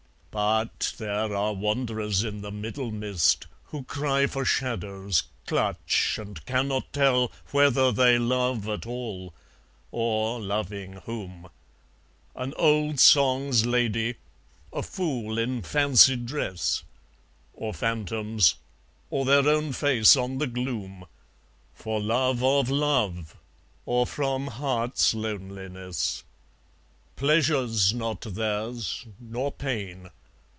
But there are wanderers in the middle mist, Who cry for shadows, clutch, and cannot tell Whether they love at all, or, loving, whom: An old song's lady, a fool in fancy dress, Or phantoms, or their own face on the gloom; For love of Love, or from heart's loneliness. Pleasure's not theirs, nor pain.